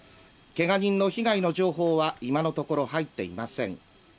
けが人の被害の情報は今のところ入っていません。